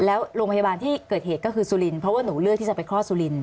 แล้วโรงพยาบาลที่เกิดเหตุก็คือสุรินทร์เพราะว่าหนูเลือกที่จะไปคลอดสุรินท